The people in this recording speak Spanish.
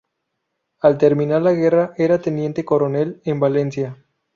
Al terminar la guerra era teniente coronel en Valencia.